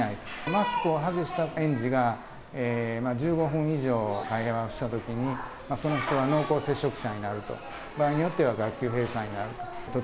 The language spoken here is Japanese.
マスクを外した園児が、１５分以上会話をしたときに、その人は濃厚接触者になると、場合によっては学級閉鎖になると。